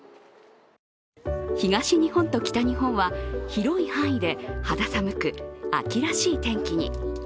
東日本と北日本は、広い範囲で肌寒く、秋らしい天気に。